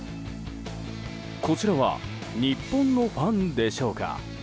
こちらは日本のファンでしょうか。